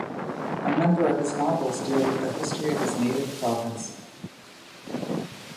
A number of his novels deal with the history of his native province.